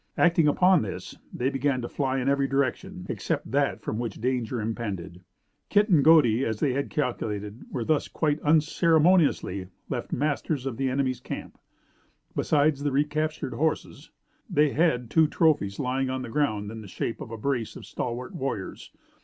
Acting upon this they began to fly in every direction except that from which danger impended. Kit and Godey, as they had calculated, were thus, quite unceremoniously, left masters of the enemy's camp. Besides the recaptured horses, they had two trophies lying upon the ground in the shape of a brace of stalwart warriors.